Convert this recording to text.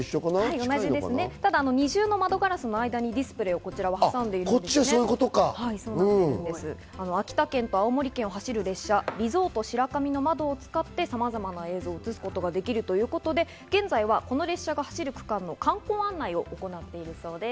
ただ二重の窓ガラスの間にディスプレイを挟んでいて、秋田県と青森県を走る列車、リゾートしらかみの窓を使って様々な映像を映すことができるということで現在はこの列車が走る区間の観光案内を行っているそうです。